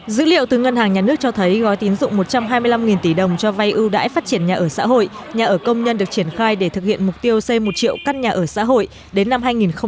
dữ liệu từ ngân hàng nhà nước cho thấy gói tín dụng một trăm hai mươi năm tỷ đồng cho vay ưu đãi phát triển nhà ở xã hội nhà ở công nhân được triển khai để thực hiện mục tiêu xây một triệu căn nhà ở xã hội đến năm hai nghìn ba mươi